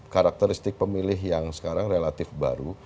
karakteristik pemilih yang sekarang relatif baru